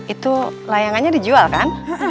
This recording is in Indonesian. itu layangannya dijual kan